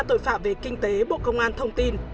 tội phạm về kinh tế bộ công an thông tin